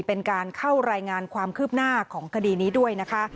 เป็นการเข้ารายงานความคืบหน้าของคดีนี้ด้วยนะคะ